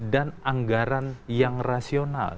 dan anggaran yang rasional